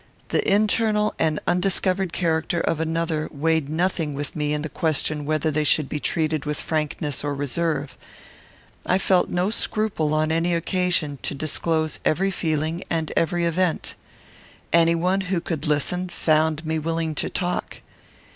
The internal and undiscovered character of another weighed nothing with me in the question whether they should be treated with frankness or reserve. I felt no scruple on any occasion to disclose every feeling and every event. Any one who could listen found me willing to talk.